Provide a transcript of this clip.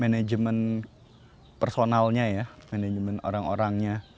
manajemen personalnya ya manajemen orang orangnya